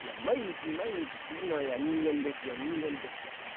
毎日毎日「次の世は人間ですよ人間ですよ」。